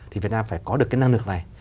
thì việt nam phải có được cái năng lực này